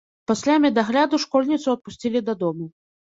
Пасля медагляду школьніцу адпусцілі дадому.